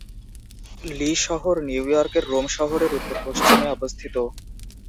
লি শহর নিউ ইয়র্কের রোম শহরের উত্তর-পশ্চিমে অবস্থিত।